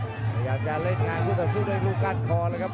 พยายามจะเล่นงานที่จะสู้ด้วยลูกกล้านคอนะครับ